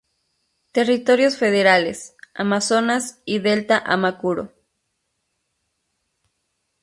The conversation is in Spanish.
Territorios Federales: Amazonas y Delta Amacuro.